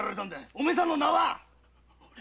お前さんの名はっ⁉